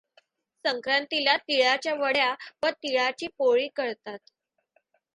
संक्रातीला तीळाच्या वड्या व तीळाची पोळी करतात.